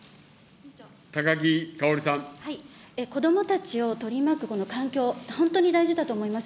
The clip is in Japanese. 子どもたちを取り巻くこの環境、本当に大事だと思います。